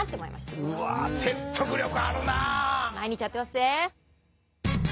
毎日やってまっせ。